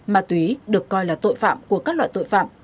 ma túy được coi là tội phạm của các loại tội phạm